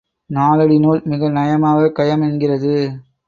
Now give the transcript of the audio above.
நாலடி நூல் மிக நயமாக கயம் என்கிறது.